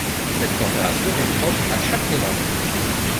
Cette température est propre à chaque mélange.